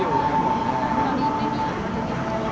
แต่งเล่นอยู่บ้างก็มีบ้าง